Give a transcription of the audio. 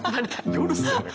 夜っすよね。